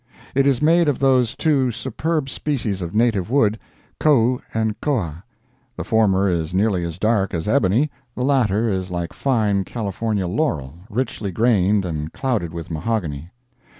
It is made of those two superb species of native wood, kou and koa. The former is nearly as dark as ebony; the latter is like fine California laurel, richly grained and clouded with mahogany.